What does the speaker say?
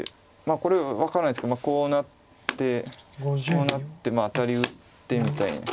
これ分からないですけどこうなってこうなってアタリ打ってみたいな。